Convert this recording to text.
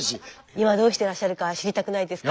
今どうしてらっしゃるか知りたくないですか？